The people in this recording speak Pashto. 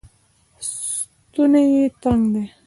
ستونی یې تنګ دی